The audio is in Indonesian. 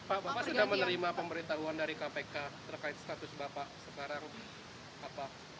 apakah anda menerima pemberitahuan dari kpk terkait status bapak sekarang